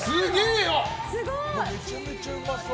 めちゃくちゃうまそう！